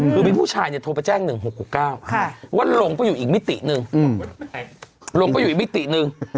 คือมีผู้ชายโทรไปแจ้ง๑๖๖๙ว่าลงไปอยู่อีกมิติหนึ่ง